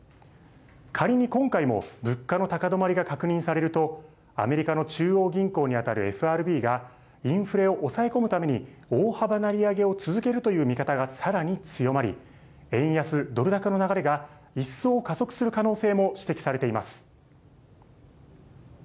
仮に今回も物価の高止まりが確認されると、アメリカの中央銀行に当たるＦＲＢが、インフレを抑え込むために、大幅な利上げを続けるという見方がさらに強まり、円安ドル高の流れが、一層加速する可能性も指摘されています。